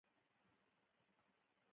سهار وختي د چرګانو اوازونه کلى راويښوي.